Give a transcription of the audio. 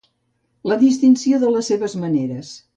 La distinció de les seves maneres.